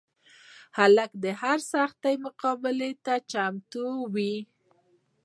هلک د هر سختي مقابلې ته چمتو وي.